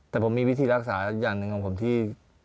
แต่ผมมีวิธีรักษาอย่างหนึ่งของผมที่